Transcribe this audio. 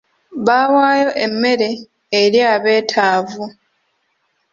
Bawaayo emmere eri abetaavu.